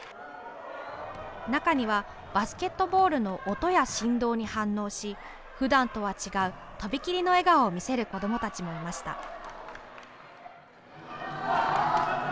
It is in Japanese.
中には、バスケットボールの音や振動に反応し普段とは違うとびきりの笑顔を見せる子どもたちもいました。